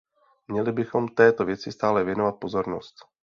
Měli bychom této věci stále věnovat pozornost.